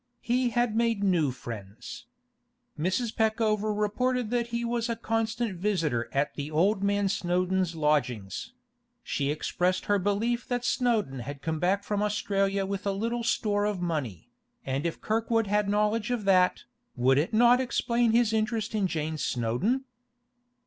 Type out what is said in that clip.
He had made new friends. Mrs. Peckover reported that he was a constant visitor at the old man Snowdon's lodgings; she expressed her belief that Snowdon had come back from Australia with a little store of money, and if Kirkwood had knowledge of that, would it not explain his interest in Jane Snowdon?